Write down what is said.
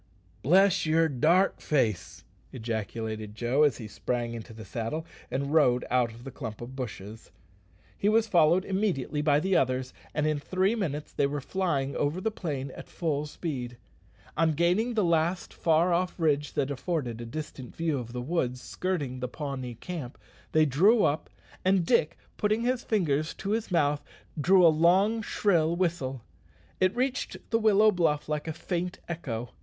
"Bless yer dark face!" ejaculated Joe, as he sprang into the saddle and rode out of the clump of bushes. He was followed immediately by the others, and in three minutes they were flying over the plain at full speed. On gaining the last far off ridge, that afforded a distant view of the woods skirting the Pawnee camp, they drew up; and Dick, putting his fingers to his mouth, drew a long, shrill whistle. It reached the willow bluff like a faint echo.